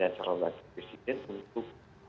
dan calon bagi presiden untuk